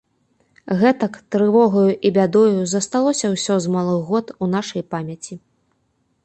Гэтак, трывогаю і бядою, засталося ўсё з малых год у нашай памяці.